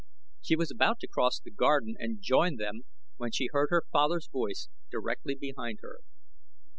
She was about to cross the garden and join them when she heard her father's voice directly behind her.